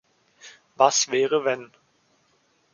Was wäre, wenn?